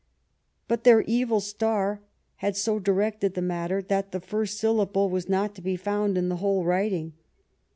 But their evil star had so directed the matter, that the first syllable was not to be found in the whole writing.